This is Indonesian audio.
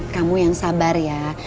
kamu yang sabar ya